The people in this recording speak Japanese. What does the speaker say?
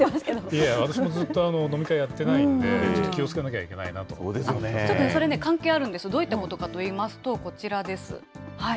いや、私もずっと飲み会やってないんで、ちょっと気をつけなそれね、関係あるんですけど、どういったことかといいますと、こちらです。